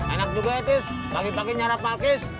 enak juga ya tis pagi pagi nyara palkis